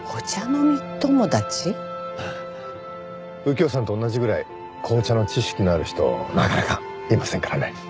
右京さんと同じぐらい紅茶の知識のある人なかなかいませんからね。